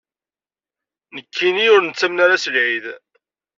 Nekni ur nettamen ara s lɛid.